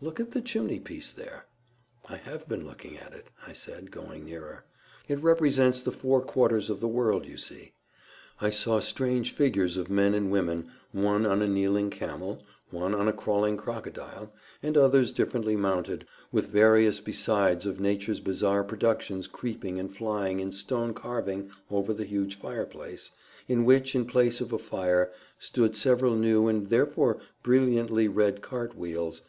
Look at the chimney piece there." "I have been looking at it," I said, going nearer. "It represents the four quarters of the world, you see." I saw strange figures of men and women, one on a kneeling camel, one on a crawling crocodile, and others differently mounted; with various besides of Nature's bizarre productions creeping and flying in stone carving over the huge fire place, in which, in place of a fire, stood several new and therefore brilliantly red cart wheels.